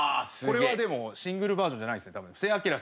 これはでもシングルバージョンじゃないですよね多分。